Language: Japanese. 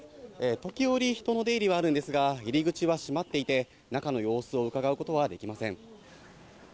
時折、人の出入りはあるんですが、入り口は閉まっていて、中の様子をうかがうことはできません。